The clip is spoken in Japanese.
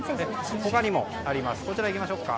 他にもあります。